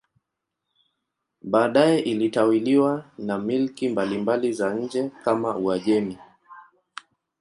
Baadaye ilitawaliwa na milki mbalimbali za nje kama Uajemi.